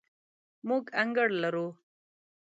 موږ انګړ لرو